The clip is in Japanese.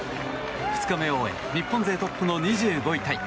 ２日目を終え日本勢トップの２５位タイ。